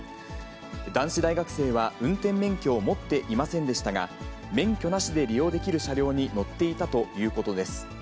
男子大学生は運転免許を持っていませんでしたが、免許なしで利用できる車両に乗っていたということです。